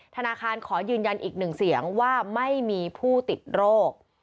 ธนาคารขอยืนยันอีกหนึ่งเสียงว่าไม่มีผู้ติดโรค